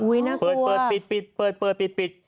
อุ๊ยน่ากลัวเปิด